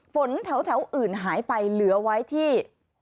ฝนแถวอื่นหายไปเหลือไว้ที่